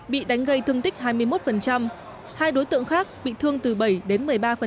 bị đánh gây thương tích hai mươi một hai đối tượng khác bị thương từ bảy đến một mươi ba